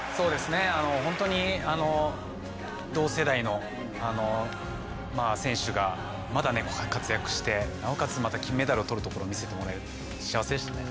本当に同世代の選手がまだ活躍してなおかつ金メダルをとるところを見せてもらって幸せでした。